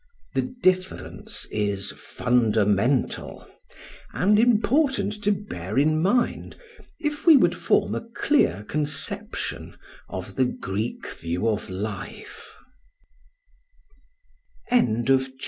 The difference is fundamental, and important to bear in mind, if we would form a clear conception of the Greek view of life.